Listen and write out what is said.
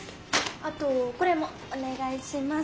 あとこれもお願いします。